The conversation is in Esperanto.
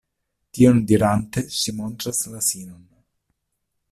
Tion dirante ŝi montras la sinon.